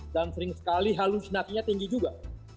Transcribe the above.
dan sering sekali halusinatinya tinggi juga